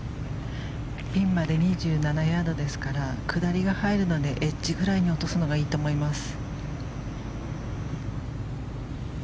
ピンまで２７ヤードですから下りが入るのでエッジぐらいに落とすのがいいと思います。